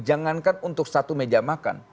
jangankan untuk satu meja makan